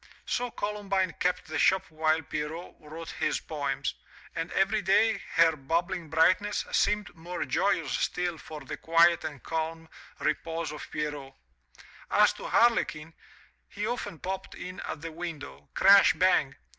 So Columbine kept the shop while Pierrot wrote his poems, and every day her bubbling brightness seemed more joyous still for the quiet and calm repose of Pierrot. As to Harlequin, he often popped in at the window Crash bang!